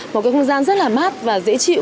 một không gian rất là mát và dễ chịu